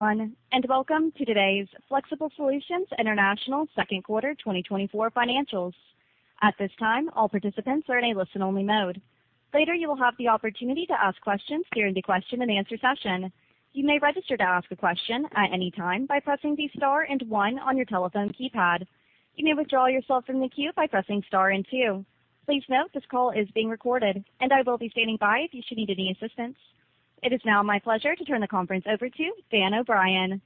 Welcome to today's Flexible Solutions International second quarter 2024 financials. At this time, all participants are in a listen-only mode. Later, you will have the opportunity to ask questions during the question-and-answer session. You may register to ask a question at any time by pressing the star and one on your telephone keypad. You may withdraw yourself from the queue by pressing star and two. Please note, this call is being recorded, and I will be standing by if you should need any assistance. It is now my pleasure to turn the conference over to Dan O'Brien.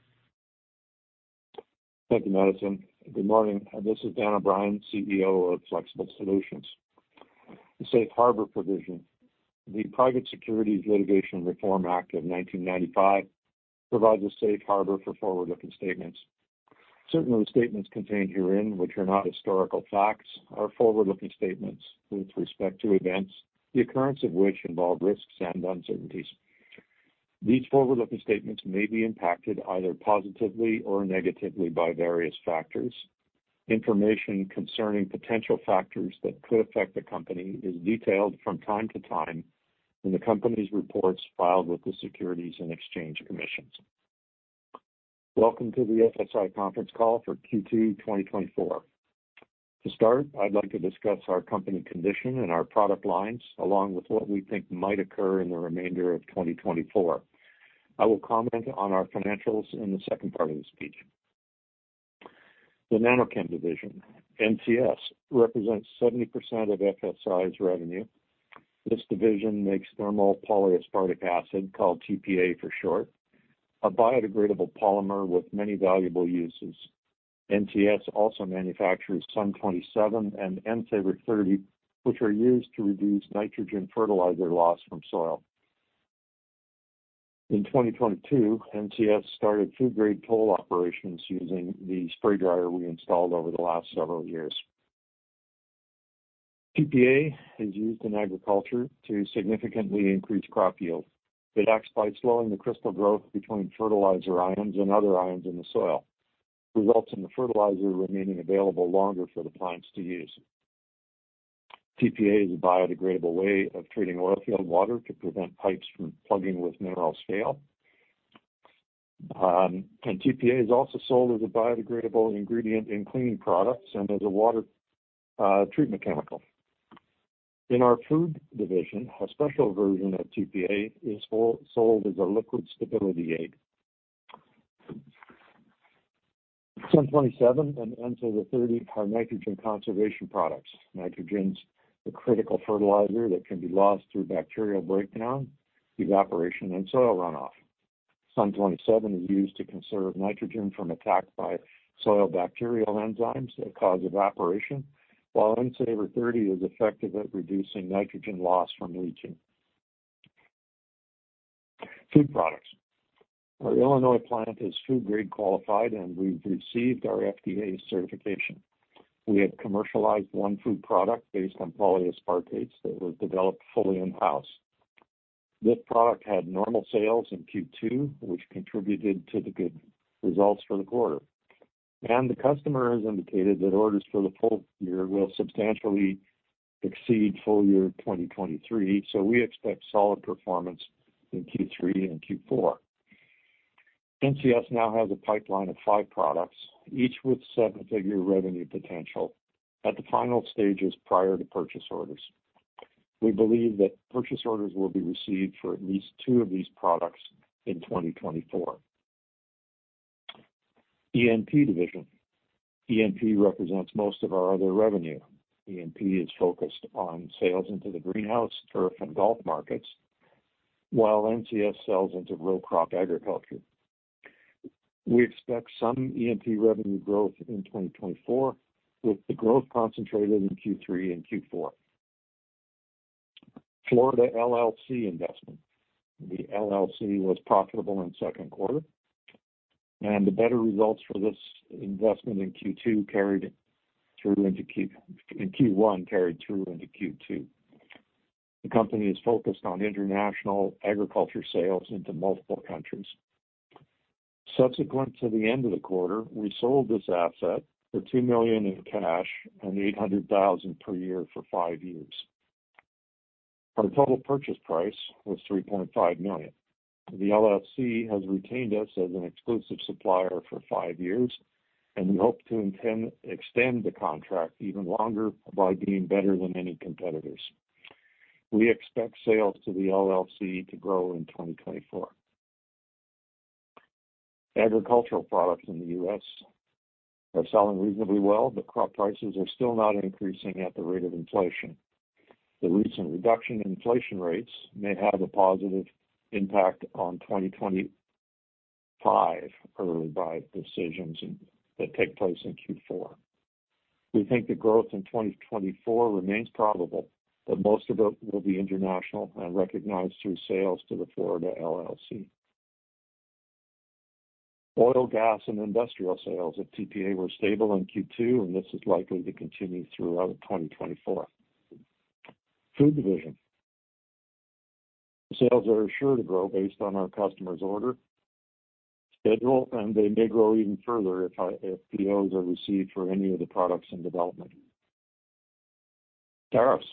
Thank you, Madison. Good morning. This is Dan O'Brien, CEO of Flexible Solutions. The Safe Harbor Provision. The Private Securities Litigation Reform Act of 1995 provides a safe harbor for forward-looking statements. Certain of the statements contained herein, which are not historical facts, are forward-looking statements with respect to events, the occurrence of which involve risks and uncertainties. These forward-looking statements may be impacted either positively or negatively by various factors. Information concerning potential factors that could affect the company is detailed from time to time in the company's reports filed with the Securities and Exchange Commission. Welcome to the FSI conference call for Q2 2024. To start, I'd like to discuss our company condition and our product lines, along with what we think might occur in the remainder of 2024. I will comment on our financials in the second part of the speech. The NanoChem division, NTS, represents 70% of FSI's revenue. This division makes thermal polyaspartic acid, called TPA for short, a biodegradable polymer with many valuable uses. NTS also manufactures Sun 27 and N-Savr 30, which are used to reduce nitrogen fertilizer loss from soil. In 2022, NTS started food-grade toll operations using the spray dryer we installed over the last several years. TPA is used in agriculture to significantly increase crop yield. It acts by slowing the crystal growth between fertilizer ions and other ions in the soil, results in the fertilizer remaining available longer for the plants to use. TPA is a biodegradable way of treating oil field water to prevent pipes from plugging with mineral scale. And TPA is also sold as a biodegradable ingredient in cleaning products and as a water, treatment chemical. In our food division, a special version of TPA is sold, sold as a liquid stability aid. Sun 27 and N-Savr 30 are nitrogen conservation products. Nitrogen's a critical fertilizer that can be lost through bacterial breakdown, evaporation, and soil runoff. Sun 27 is used to conserve nitrogen from attack by soil bacterial enzymes that cause evaporation, while N-Savr 30 is effective at reducing nitrogen loss from leaching. Food products. Our Illinois plant is food-grade qualified, and we've received our FDA certification. We have commercialized one food product based on polyaspartates that were developed fully in-house. This product had normal sales in Q2, which contributed to the good results for the quarter. The customer has indicated that orders for the full year will substantially exceed full year 2023, so we expect solid performance in Q3 and Q4. NTS now has a pipeline of 5 products, each with seven-figure revenue potential at the final stages prior to purchase orders. We believe that purchase orders will be received for at least 2 of these products in 2024. EnP division. EnP represents most of our other revenue. EnP is focused on sales into the greenhouse, turf, and golf markets, while NTS sells into row crop agriculture. We expect some EnP revenue growth in 2024, with the growth concentrated in Q3 and Q4. Florida LLC investment. The LLC was profitable in second quarter, and the better results for this investment in Q2 carried through into Q2. The company is focused on international agriculture sales into multiple countries. Subsequent to the end of the quarter, we sold this asset for $2 million in cash and $800,000 per year for 5 years. Our total purchase price was $3.5 million. The LLC has retained us as an exclusive supplier for five years, and we hope to extend the contract even longer by being better than any competitors. We expect sales to the LLC to grow in 2024. Agricultural products in the U.S. are selling reasonably well, but crop prices are still not increasing at the rate of inflation. The recent reduction in inflation rates may have a positive impact on 2025, early buy decisions in that take place in Q4. We think the growth in 2024 remains probable, but most of it will be international and recognized through sales to the Florida LLC. Oil, gas, and industrial sales at TPA were stable in Q2, and this is likely to continue throughout 2024. Food division. Sales are sure to grow based on our customer's order schedule, and they may grow even further if POs are received for any of the products in development. Tariffs.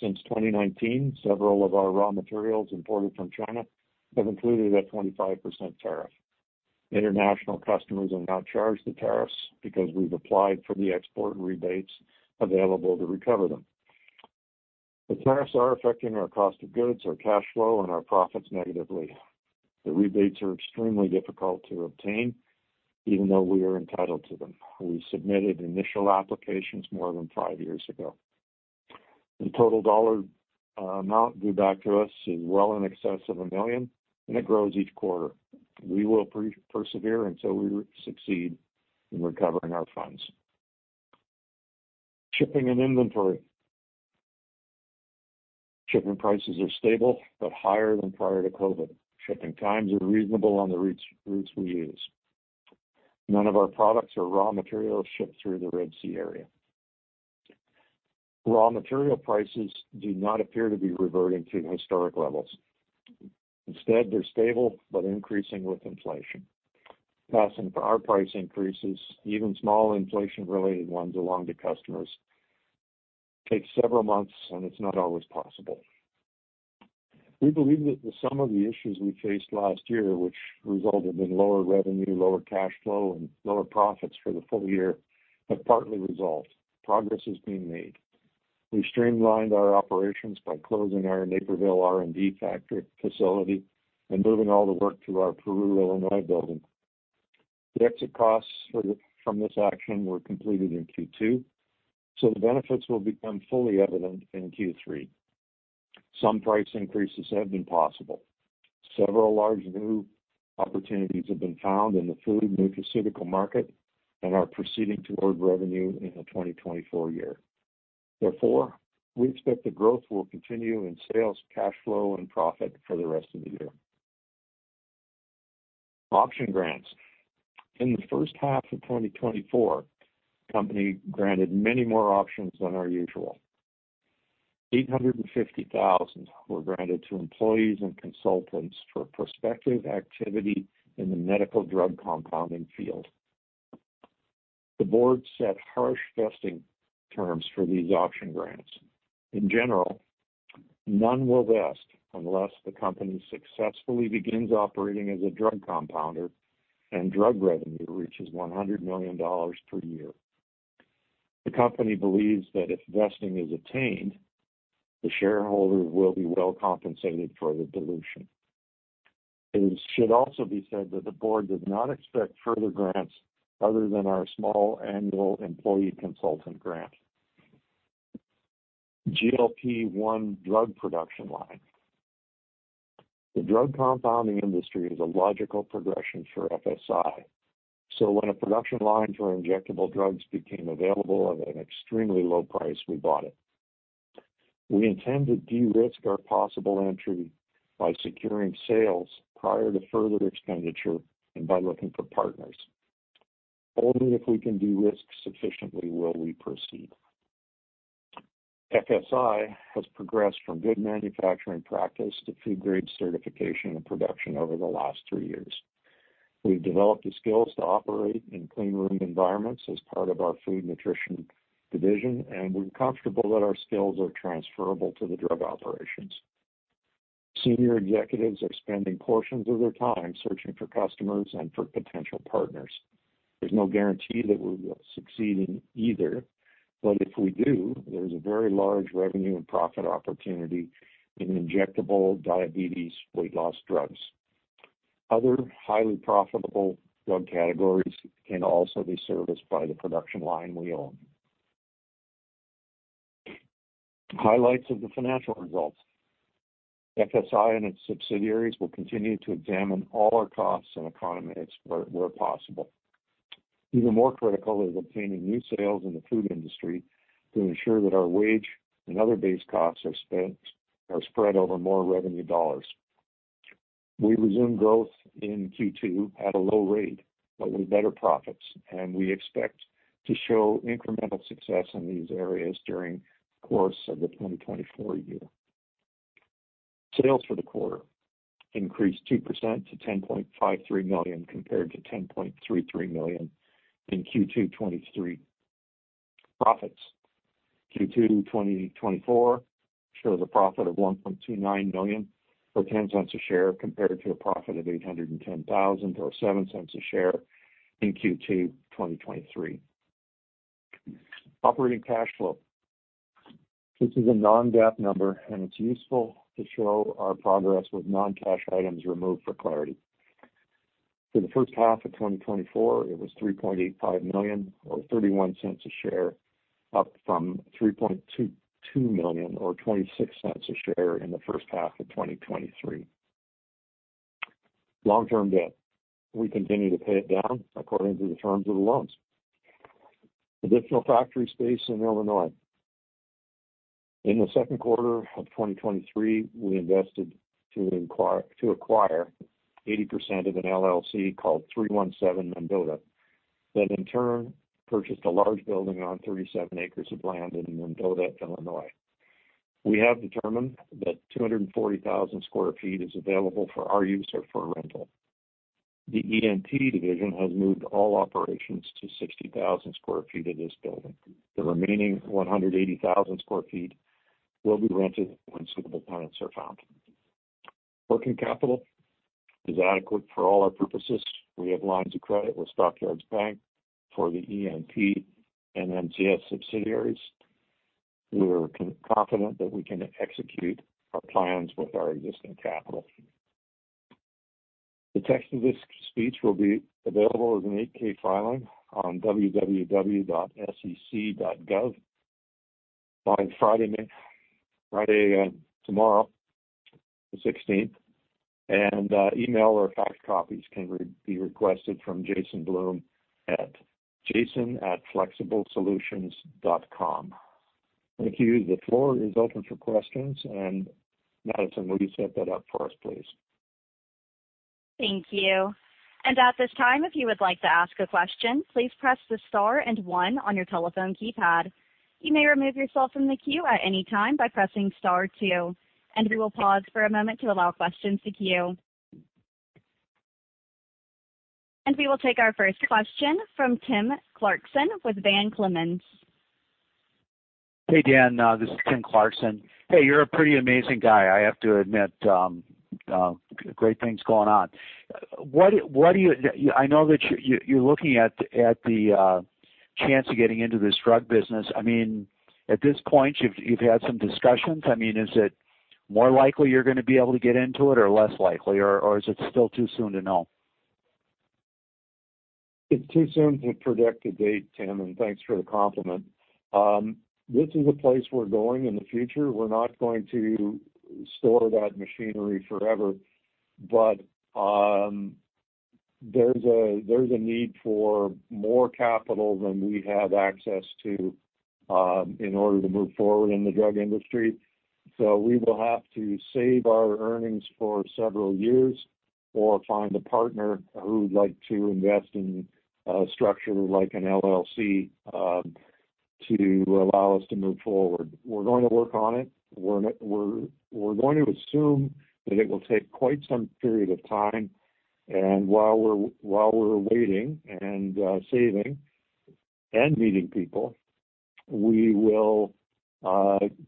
Since 2019, several of our raw materials imported from China have included a 25% tariff. International customers are not charged the tariffs because we've applied for the export rebates available to recover them. The tariffs are affecting our cost of goods, our cash flow, and our profits negatively. The rebates are extremely difficult to obtain, even though we are entitled to them. We submitted initial applications more than 5 years ago. The total dollar amount due back to us is well in excess of $1 million, and it grows each quarter. We will persevere until we succeed in recovering our funds. Shipping and inventory. Shipping prices are stable but higher than prior to COVID. Shipping times are reasonable on the routes, routes we use. None of our products or raw materials ship through the Red Sea area. Raw material prices do not appear to be reverting to historic levels. Instead, they're stable, but increasing with inflation. Passing our price increases, even small inflation-related ones, along to customers takes several months, and it's not always possible. We believe that the sum of the issues we faced last year, which resulted in lower revenue, lower cash flow, and lower profits for the full year, have partly resolved. Progress is being made. We streamlined our operations by closing our Naperville R&D factory facility and moving all the work to our Peru, Illinois, building. The exit costs from this action were completed in Q2, so the benefits will become fully evident in Q3. Some price increases have been possible. Several large new opportunities have been found in the food nutraceutical market and are proceeding toward revenue in the 2024 year. Therefore, we expect the growth will continue in sales, cash flow, and profit for the rest of the year. Option grants. In the first half of 2024, the company granted many more options than our usual. 850,000 were granted to employees and consultants for prospective activity in the medical drug compounding field. The board set harsh vesting terms for these option grants. In general, none will vest unless the company successfully begins operating as a drug compounder and drug revenue reaches $100 million per year. The company believes that if vesting is attained, the shareholders will be well compensated for the dilution. It should also be said that the board does not expect further grants other than our small annual employee consultant grant. GLP-1 drug production line. The drug compounding industry is a logical progression for FSI. So when a production line for injectable drugs became available at an extremely low price, we bought it. We intend to de-risk our possible entry by securing sales prior to further expenditure and by looking for partners. Only if we can de-risk sufficiently will we proceed. FSI has progressed from good manufacturing practice to food grade certification and production over the last 3 years. We've developed the skills to operate in clean room environments as part of our food nutrition division, and we're comfortable that our skills are transferable to the drug operations. Senior executives are spending portions of their time searching for customers and for potential partners. There's no guarantee that we will succeed in either, but if we do, there is a very large revenue and profit opportunity in injectable diabetes weight loss drugs. Other highly profitable drug categories can also be serviced by the production line we own. Highlights of the financial results. FSI and its subsidiaries will continue to examine all our costs and economize where possible. Even more critical is obtaining new sales in the food industry to ensure that our wages and other base costs are spent, are spread over more revenue dollars. We resumed growth in Q2 at a low rate, but with better profits, and we expect to show incremental success in these areas during the course of the 2024 year. Sales for the quarter increased 2% to $10.53 million, compared to $10.33 million in Q2 2023. Profits. Q2 2024 shows a profit of $1.29 million, or $0.10 a share, compared to a profit of $810 thousand, or $0.07 a share in Q2 2023. Operating cash flow. This is a non-GAAP number, and it's useful to show our progress with non-cash items removed for clarity. For the first half of 2024, it was $3.85 million, or $0.31 a share, up from $3.22 million, or $0.26 a share in the first half of 2023. Long-term debt. We continue to pay it down according to the terms of the loans. Additional factory space in Illinois. In the second quarter of 2023, we invested to acquire 80% of an LLC called 317 Mendota, that in turn purchased a large building on 37 acres of land in Mendota, Illinois. We have determined that 240,000 sq ft is available for our use or for rental. The EnP division has moved all operations to 60,000 sq ft of this building. The remaining 180,000 sq ft will be rented when suitable tenants are found. Working capital is adequate for all our purposes. We have lines of credit with Stock Yards Bank for the EnP and NTS subsidiaries. We are confident that we can execute our plans with our existing capital. The text of this speech will be available as an 8-K filing on www.sec.gov by Friday, May sixteenth, and email or fax copies can be requested from Jason Bloom at jason@flexiblesolutions.com. Thank you. The floor is open for questions, and Madison, will you set that up for us, please? Thank you. At this time, if you would like to ask a question, please press the star and one on your telephone keypad. You may remove yourself from the queue at any time by pressing star two, and we will pause for a moment to allow questions to queue. We will take our first question from Tim Clarkson with Van Clemens. Hey, Dan, this is Tim Clarkson. Hey, you're a pretty amazing guy, I have to admit, great things going on. What do you? I know that you're looking at the chance of getting into this drug business. I mean, at this point, you've had some discussions. I mean, is it more likely you're gonna be able to get into it or less likely, or is it still too soon to know? It's too soon to predict a date, Tim, and thanks for the compliment. This is a place we're going in the future. We're not going to store that machinery forever, but there's a need for more capital than we have access to in order to move forward in the drug industry. So we will have to save our earnings for several years or find a partner who would like to invest in a structure like an LLC to allow us to move forward. We're going to work on it. We're going to assume that it will take quite some period of time, and while we're waiting and saving and meeting people, we will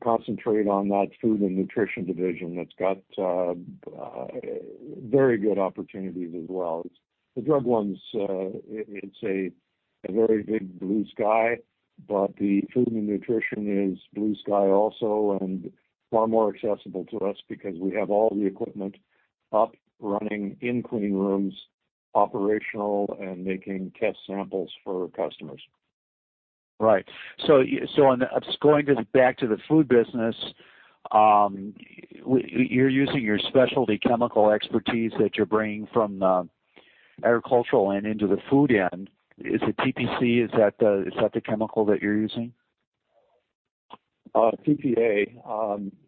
concentrate on that food and nutrition division. That's got very good opportunities as well. The drug one's, it's a very big blue sky, but the food and nutrition is blue sky also and far more accessible to us because we have all the equipment up, running in clean rooms, operational and making test samples for customers. Right. So, just going back to the food business, you're using your specialty chemical expertise that you're bringing from the agricultural and into the food end. Is it TPA? Is that the chemical that you're using? TPA.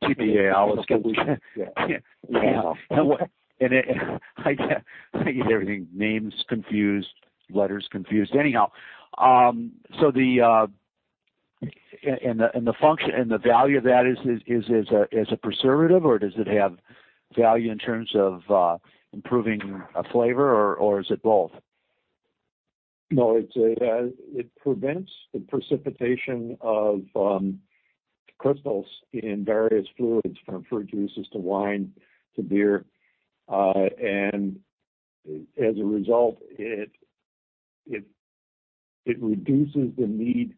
TPA, I was confused. Yeah. Yeah. And I get everything, names confused, letters confused. Anyhow, so the function and the value of that is as a preservative, or does it have value in terms of improving a flavor, or is it both? No, it's a it prevents the precipitation of crystals in various fluids, from fruit juices to wine to beer. And as a result, it reduces the need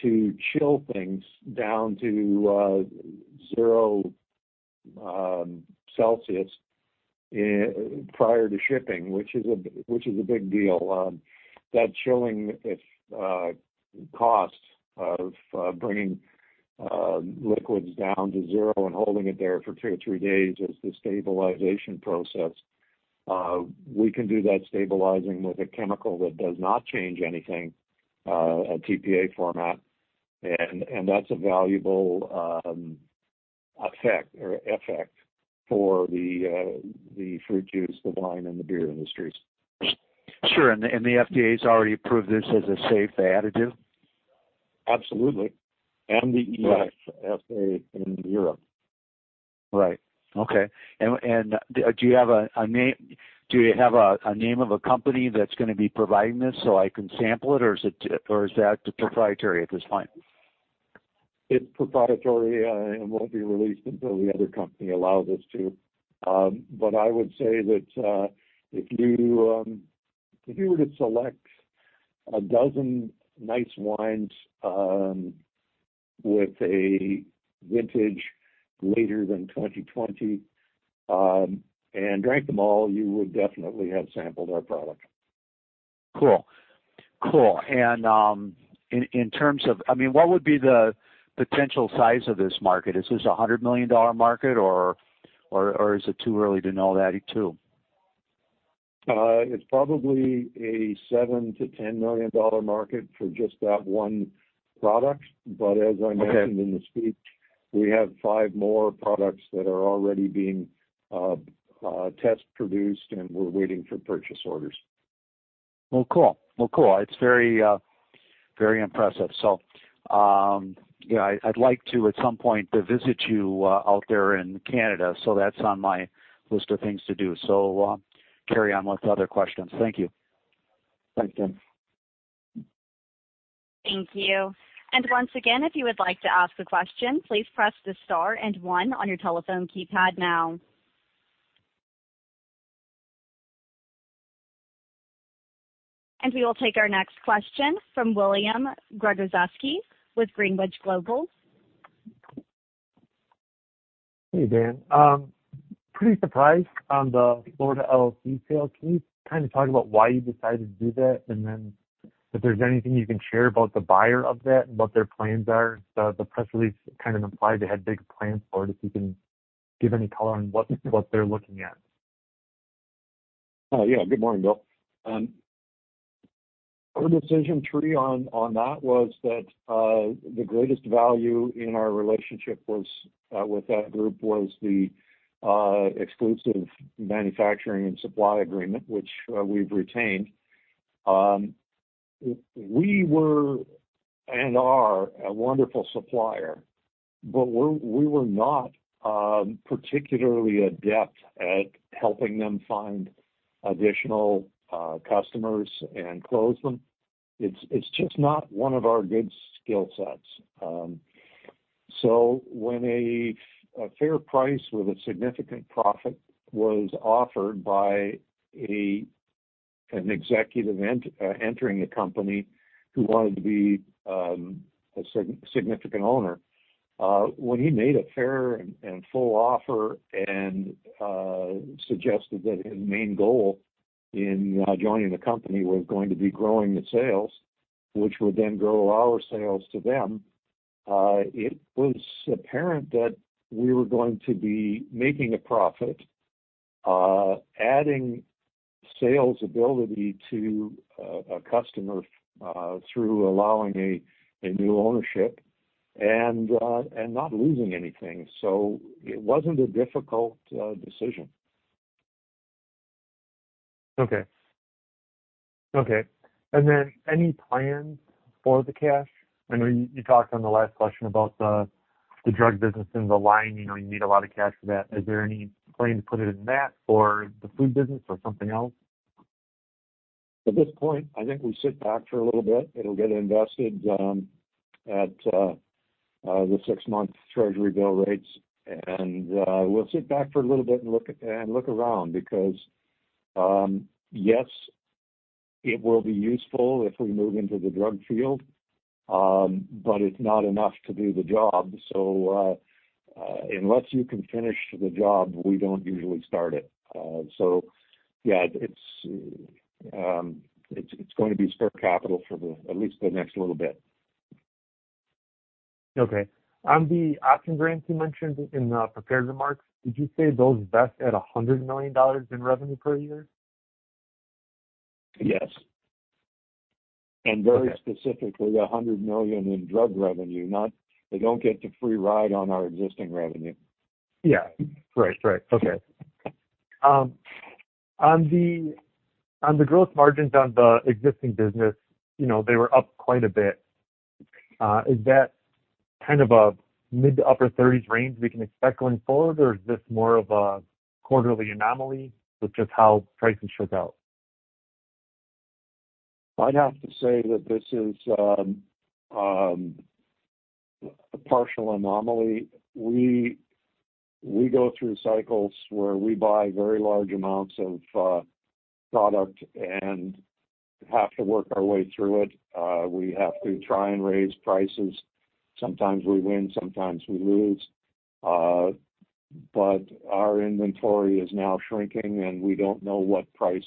to chill things down to zero degrees Celsius prior to shipping, which is a big deal. That chilling, the cost of bringing liquids down to zero degrees Celsius and holding it there for two or three days is the stabilization process. We can do that stabilizing with a chemical that does not change anything, a TPA format, and that's a valuable effect for the fruit juice, the wine, and the beer industries. Sure. And the FDA's already approved this as a safe additive? Absolutely. And the EF- Right. EFSA in Europe. Right. Okay. Do you have a name of a company that's gonna be providing this so I can sample it, or is that proprietary at this point? It's proprietary, and won't be released until the other company allows us to. But I would say that, if you, if you were to select a dozen nice wines, with a vintage later than 2020, and drank them all, you would definitely have sampled our product. Cool. Cool. And, in terms of... I mean, what would be the potential size of this market? Is this a $100 million market, or, or, or is it too early to know that too? It's probably a $7 million-$10 million market for just that one product. Okay. But as I mentioned in the speech, we have five more products that are already being test-produced, and we're waiting for purchase orders. Well, cool. Well, cool. It's very, very impressive. So, yeah, I, I'd like to, at some point, to visit you, out there in Canada, so that's on my list of things to do. So, carry on with other questions. Thank you. Thanks, Tim. Thank you. And once again, if you would like to ask a question, please press the star and one on your telephone keypad now. And we will take our next question from William Gregozeski with Greenridge Global. Hey, Dan. Pretty surprised on the Florida LLC sale. Can you kind of talk about why you decided to do that? And then if there's anything you can share about the buyer of that and what their plans are. The press release kind of implied they had big plans for it. If you can give any color on what they're looking at. Yeah. Good morning, Bill. Our decision tree on that was that the greatest value in our relationship with that group was the exclusive manufacturing and supply agreement, which we've retained. We were, and are, a wonderful supplier, but we were not particularly adept at helping them find additional customers and close them. It's just not one of our good skill sets. So when a fair price with a significant profit was offered by an executive entering the company who wanted to be a significant owner, when he made a fair and full offer and suggested that his main goal in joining the company was going to be growing the sales, which would then grow our sales to them, it was apparent that we were going to be making a profit, adding sales ability to a customer through allowing a new ownership and not losing anything. So it wasn't a difficult decision. Okay. Okay, and then any plans for the cash? I know you, you talked on the last question about the drug business and the line, you know, you need a lot of cash for that. Is there any plan to put it in that or the food business or something else? At this point, I think we sit back for a little bit. It'll get invested at the six-month Treasury bill rates, and we'll sit back for a little bit and look around, because yes, it will be useful if we move into the drug field, but it's not enough to do the job. So, unless you can finish the job, we don't usually start it. So yeah, it's going to be spare capital for at least the next little bit. Okay. On the option grants you mentioned in the prepared remarks, did you say those vest at $100 million in revenue per year? Yes. Okay. Very specifically, $100 million in drug revenue, not, they don't get the free ride on our existing revenue. Yeah, right. Right. Okay. On the growth margins on the existing business, you know, they were up quite a bit. Is that kind of a mid- to upper-30s range we can expect going forward, or is this more of a quarterly anomaly with just how pricing shook out? I'd have to say that this is a partial anomaly. We go through cycles where we buy very large amounts of product and have to work our way through it. We have to try and raise prices. Sometimes we win, sometimes we lose. But our inventory is now shrinking, and we don't know what price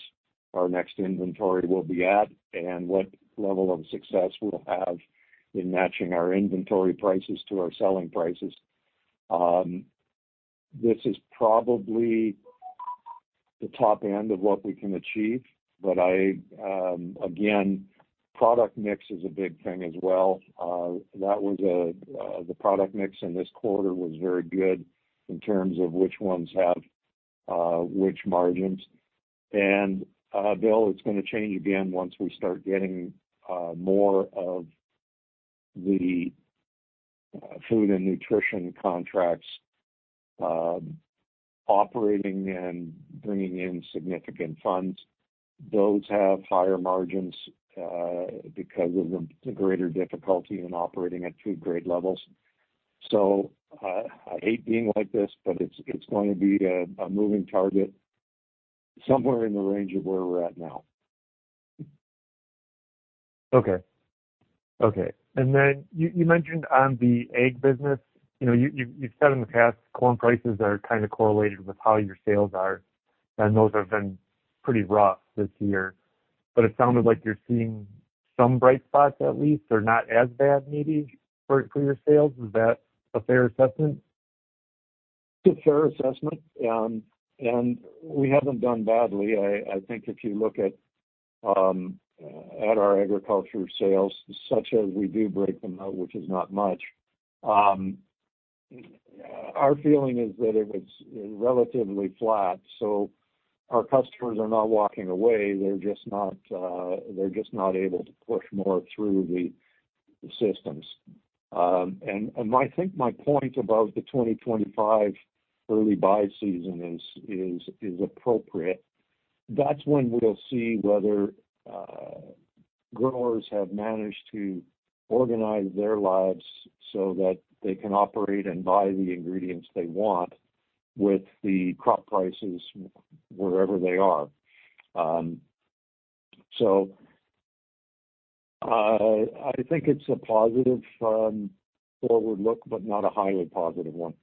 our next inventory will be at and what level of success we'll have in matching our inventory prices to our selling prices. This is probably the top end of what we can achieve, but I, again, product mix is a big thing as well. That was the product mix in this quarter was very good in terms of which ones have which margins. And, Bill, it's gonna change again once we start getting more of the food and nutrition contracts operating and bringing in significant funds. Those have higher margins because of the greater difficulty in operating at food grade levels. So, I hate being like this, but it's going to be a moving target somewhere in the range of where we're at now. Okay. Okay. And then you mentioned on the ag business, you know, you've said in the past, corn prices are kind of correlated with how your sales are, and those have been pretty rough this year. But it sounded like you're seeing some bright spots at least, or not as bad maybe for your sales. Is that a fair assessment? It's a fair assessment, and we haven't done badly. I think if you look at our agriculture sales, such as we do break them out, which is not much, our feeling is that it was relatively flat, so our customers are not walking away, they're just not able to push more through the systems. And I think my point about the 2025 early buy season is appropriate. That's when we'll see whether growers have managed to organize their lives so that they can operate and buy the ingredients they want with the crop prices wherever they are. So, I think it's a positive forward look, but not a highly positive one.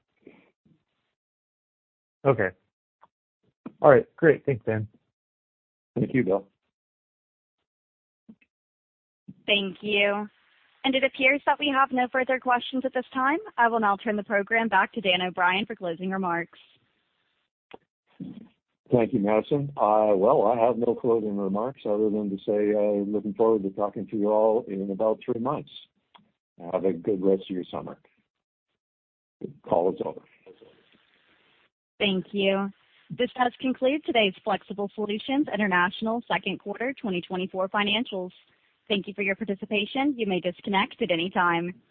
Okay. All right, great. Thanks, Dan. Thank you, Bill. Thank you. It appears that we have no further questions at this time. I will now turn the program back to Dan O'Brien for closing remarks. Thank you, Madison. Well, I have no closing remarks other than to say, looking forward to talking to you all in about three months. Have a good rest of your summer. Call is over. Thank you. This does conclude today's Flexible Solutions International second quarter 2024 financials. Thank you for your participation. You may disconnect at any time.